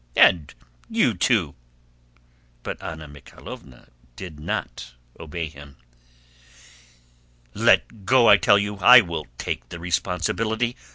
"And you too!" But Anna Mikháylovna did not obey him. "Let go, I tell you! I will take the responsibility.